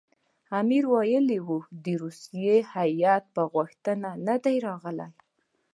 امیر ویلي وو د روسیې هیات په غوښتنه نه دی راغلی.